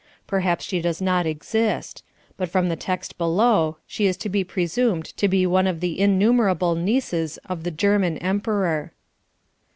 Perhaps she does not exist. But from the text below she is to be presumed to be one of the innumerable nieces of the German Emperor.